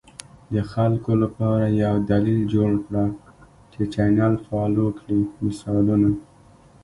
د خلکو لپاره یو دلیل جوړ کړه چې چینل فالو کړي، مثالونه: